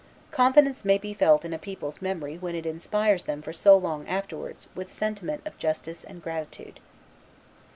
Confidence may be felt in a people's memory when it inspires them for so long afterwards with sentiment of justice and gratitude.